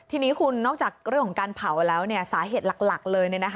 ทีนี้คุณนอกจากเรื่องของการเผาแล้วสาเหตุหลักเลย